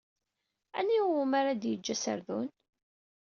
Anwa iwumi ara d-yeǧǧ aserdun.